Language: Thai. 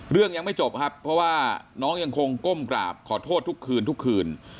เรื่องยังไม่จบครับเพราะว่าน้องยังคงก้มกราบขอโทษทุกคืนทุกคืน